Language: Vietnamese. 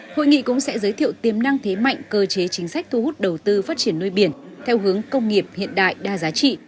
hội nghị cũng sẽ giới thiệu tiềm năng thế mạnh cơ chế chính sách thu hút đầu tư phát triển nuôi biển theo hướng công nghiệp hiện đại đa giá trị